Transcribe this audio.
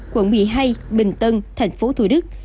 quận một mươi hai bình tân thành phố thủ đức